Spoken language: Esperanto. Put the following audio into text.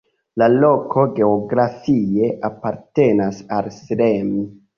La loko geografie apartenas al Srem.